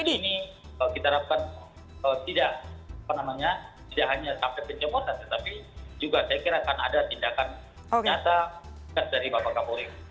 jadi ini kita dapat tidak hanya sampai pencemosan tetapi juga saya kira akan ada tindakan nyata dari bapak kapolrik